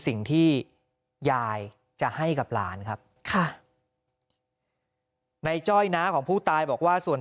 สิ่งที่ยายจะให้กับหลานครับค่ะในจ้อยน้าของผู้ตายบอกว่าส่วน